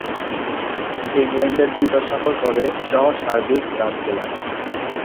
ইংল্যান্ডে দুইবার সফর করে সহস্রাধিক রান তুলেন।